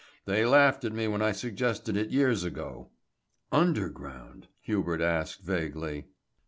They laughed at me when I suggested it years ago." "Underground," Hubert asked vaguely.